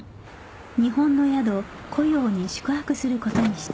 日本の宿古窯に宿泊することにした